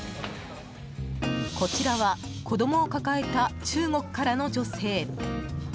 こちらは、子供を抱えた中国からの女性。